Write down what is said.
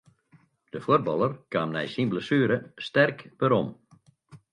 De fuotballer kaam nei syn blessuere sterk werom.